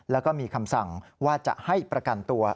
แล้วก็มีคำสั่งว่าจะให้ประกันตัว